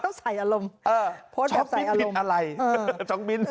เขาใส่อารมณ์โพสต์แบบใส่อารมณ์ช็อกมิ้นอะไรช็อกมิ้น